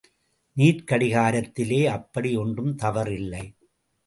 நீர்க்கடிகாரத்திலே அப்படி ஒன்றும் தவறு இல்லை.